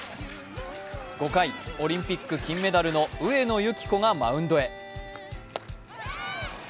５回オリンピック金メダルの上野由岐子がマウンドへ。